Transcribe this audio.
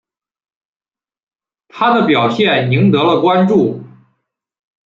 他的表现赢得了关注。